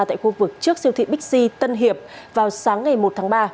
tại khu vực trước siêu thị bixi tân hiệp vào sáng ngày một tháng ba